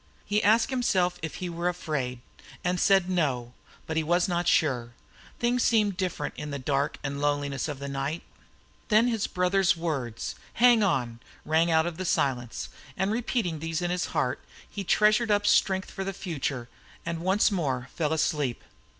He asked himself if he were afraid, and said "No," but was not sure. Things seemed different in the dark and loneliness of night. Then his brother's words, "Hang on!" rang out of the silence, and repeating these in his heart, he treasured up strength for the future, and once more fell asleep.